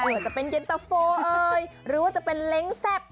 ว่าจะเป็นเย็นตะโฟเอ่ยหรือว่าจะเป็นเล้งแซ่บ